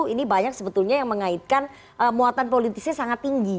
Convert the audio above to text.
ini banyak sebetulnya yang mengaitkan muatan politisnya sangat tinggi